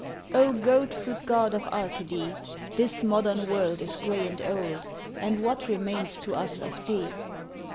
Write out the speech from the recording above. O GOAT FOOT God of Arcady! This modern world is grey and old, And what remains to us of thee?